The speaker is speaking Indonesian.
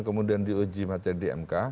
kemudian diuji materi di mk